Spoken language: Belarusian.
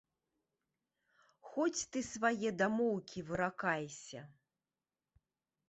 Хоць ты свае дамоўкі выракайся.